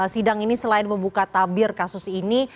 sidang ini selain membuka tabir kasus ini